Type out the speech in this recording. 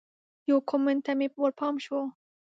یو کمنټ ته مې ورپام شو